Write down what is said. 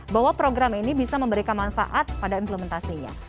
bahwa program ini bisa memberikan manfaat pada implementasinya